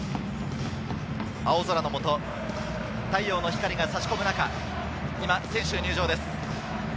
青空のもと、太陽の光が差し込む中、今、選手入場です。